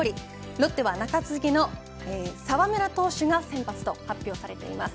ロッテは中継ぎの澤村投手が先発と発表されています。